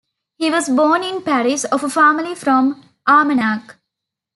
He was born in Paris, of a family from Armagnac.